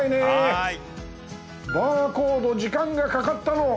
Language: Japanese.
はい。